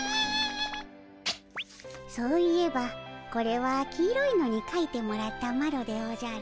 そういえばこれは黄色いのにかいてもらったマロでおじゃる。